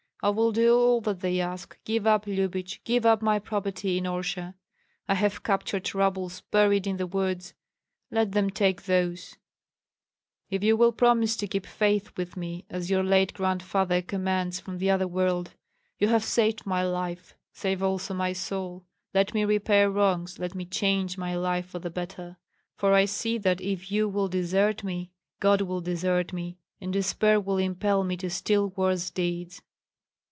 I will do all that they ask, give up Lyubich, give up my property in Orsha, I have captured rubles buried in the woods, let them take those, if you will promise to keep faith with me as your late grandfather commands from the other world. You have saved my life, save also my soul; let me repair wrongs, let me change my life for the better; for I see that if you will desert me God will desert me, and despair will impel me to still worse deeds."